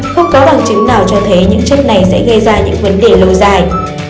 không có bằng chứng nào cho thấy những chất này sẽ gây ra những vấn đề lâu dài